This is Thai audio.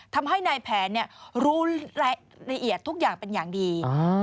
ทำให้นายแผนรู้รายละเอียดทุกอย่างเป็นอย่างดี